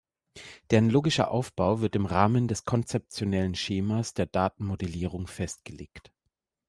Deren logischer Aufbau wird im Rahmen des Konzeptionellen Schemas der Datenmodellierung festgelegt.